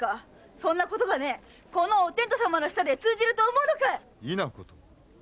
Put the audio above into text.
そんなことこのお天道さまの下で通じると思うのかい⁉異なことを。